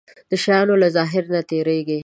د شيانو له ظاهر نه تېرېږي.